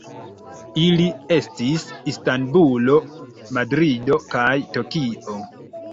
Ili estis Istanbulo, Madrido kaj Tokio.